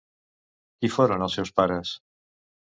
Qui foren els seus pares?